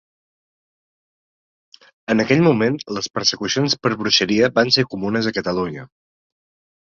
En aquell moment les persecucions per bruixeria van ser comunes a Catalunya.